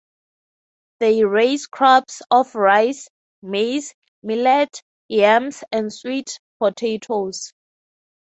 They raise crops of rice, maize, millet, yams, and sweet potatoes.